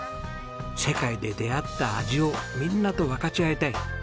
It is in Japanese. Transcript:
世界で出会った味をみんなと分かち合いたい。